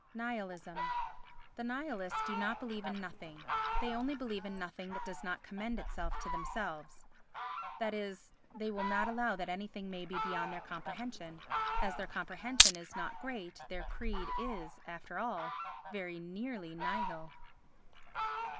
Nihilism The Nihilists do not believe in nothing; they only believe in nothing that does not commend itself to themselves; that is, they will not allow that anything may be beyond their comprehension. As their comprehension is not great their creed is, after all, very nearly nihil.